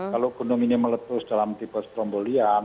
kalau gunung ini meletus dalam tipe strombolian